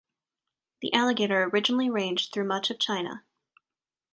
The alligator originally ranged through much of China.